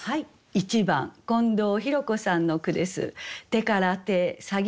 １番近藤ひろこさんの句です。